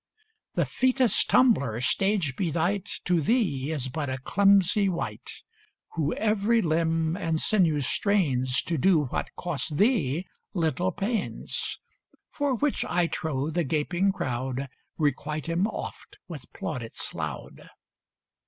The featest tumbler, stage bedight, To thee is but a clumsy wight, Who every limb and sinew strains To do what costs thee little pains; For which, I trow, the gaping crowd Requite him oft with plaudits loud.